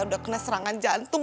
udah kena serangan jantung